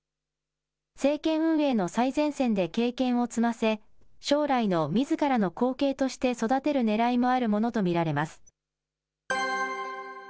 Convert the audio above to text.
政権運営の最前線で経験を積ませ、将来のみずからの後継として育てるねらいもあるものと見られます。